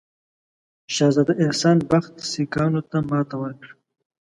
شهزاده احسان بخت سیکهانو ته ماته ورکړه.